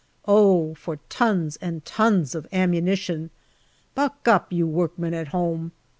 Oh ! for tons and tons of ammunition. Buck up! you workmen at home.